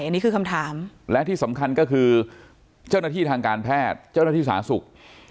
อันนี้คือคำถามและที่สำคัญก็คือเจ้าหน้าที่ทางการแพทย์เจ้าหน้าที่สาธารณสุข